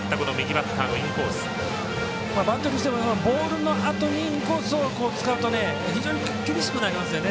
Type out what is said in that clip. バッテリーとしてはボールのあとにインコースを使うと非常に厳しくなりますね。